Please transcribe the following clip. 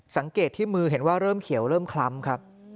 สังเกตที่มือเห็นว่าเริ่มเขียวเริ่มคล้ำครับ